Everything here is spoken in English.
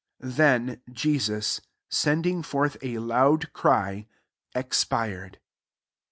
37 Then Jesus, sending forth a loud cry, expired.